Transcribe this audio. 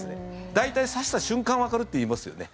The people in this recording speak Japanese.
大体指した瞬間わかるっていいますよね。